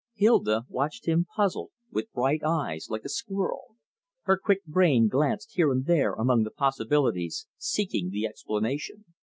Hilda watched him puzzled, with bright eyes, like a squirrel. Her quick brain glanced here and there among the possibilities, seeking the explanation.